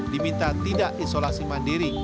diminta tidak isolasi mandiri